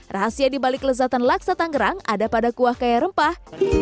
rahasia dibalik lezatan laksa tanggerang ada pada kuah kaya rempah